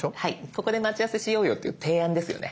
「ここで待ち合わせしようよ」という提案ですよね。